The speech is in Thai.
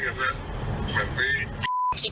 อ๋อไม่งั้นนะมันไม่คิดไปเองทั้งนั้น